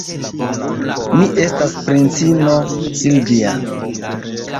Mi estas princino Silvja.